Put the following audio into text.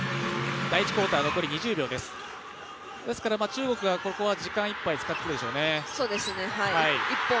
中国がここは時間いっぱい使ってくるでしょうね。